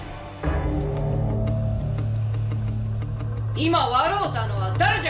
今笑うたのは誰じゃ。